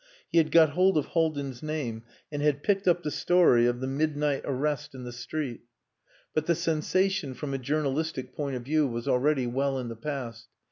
He had got hold of Haldin's name, and had picked up the story of the midnight arrest in the street. But the sensation from a journalistic point of view was already well in the past.